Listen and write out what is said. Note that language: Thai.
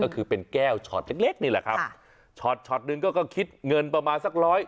ก็คือเป็นแก้วช็อตเล็กเล็กนี่แหละครับช็อตช็อตหนึ่งก็ก็คิดเงินประมาณสักร้อย